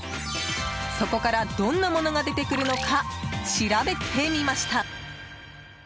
そこからどんなものが出てくるのか調べてみました。